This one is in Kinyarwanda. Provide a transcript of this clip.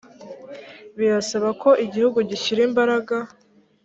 birasaba ko igihugu gishyira imbaraga